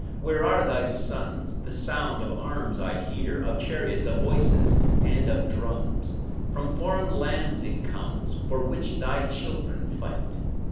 Where are thy sons? The sound of arms I hear, Of chariots, of voices, and of drums; From foreign lands it comes, For which thy children fight.